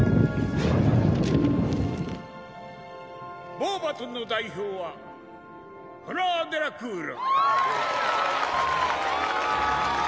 ボーバトンの代表はフラー・デラクール！